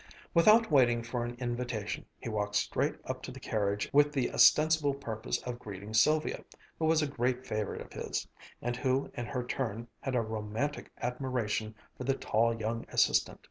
Without waiting for an invitation he walked straight up to the carriage with the ostensible purpose of greeting Sylvia, who was a great favorite of his, and who in her turn had a romantic admiration for the tall young assistant.